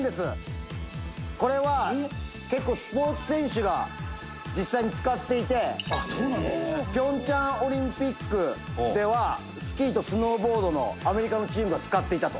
「これは結構スポーツ選手が実際に使っていて平昌オリンピックではスキーとスノーボードのアメリカのチームが使っていたと。